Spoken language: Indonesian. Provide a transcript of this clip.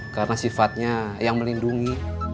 karena sifatnya yang melindungi